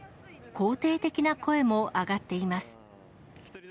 肯定的な声も上がっています。